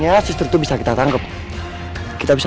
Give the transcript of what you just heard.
mas tro dan andis